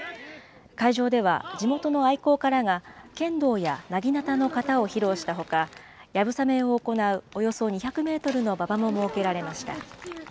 会場では、地元の愛好家らが剣道やなぎなたの形を披露したほか、やぶさめを行うおよそ２００メートルの馬場も設けられました。